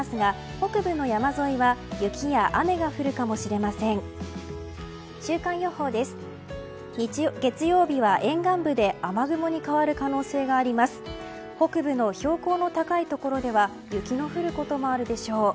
北部の標高の高いところでは雪の降るところもあるでしょう。